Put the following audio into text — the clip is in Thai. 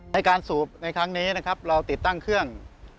ในการสูบในครั้งนี้นะครับเราติดตั้งเครื่อง